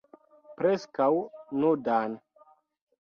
Preskaŭ nudan.